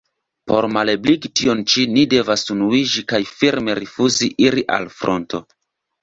Por malebligi tion ĉi, ni devas unuiĝi kaj firme rifuzi iri al fronto.